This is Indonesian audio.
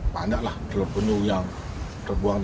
banyaklah telur penyuh yang terbuang